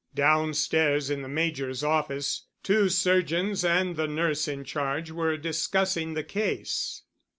Downstairs in the Major's office two surgeons and the nurse in charge were discussing the case.